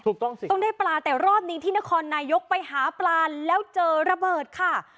ถูกต้องสิต้องได้ปลาแต่รอบนี้ที่นครนายกไปหาปลาแล้วเจอระเบิดค่ะ